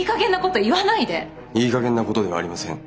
いい加減なことではありません。